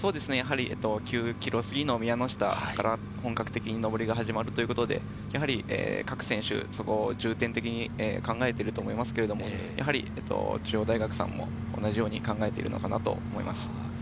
９ｋｍ過ぎの宮ノ下から本格的に上りが始まるので各選手、重点的にそこを考えていると思いますけれど、中央大学さんも同じように考えているのかなと思います。